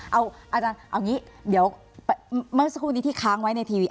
เอาอาจารย์เอาอย่างนี้เดี๋ยวเมื่อสักครู่นี้ที่ค้างไว้ในทีวี